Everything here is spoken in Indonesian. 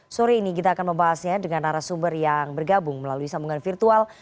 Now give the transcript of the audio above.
sore ini kita akan membahasnya dengan arah sumber yang bergabung melalui sambungan virtual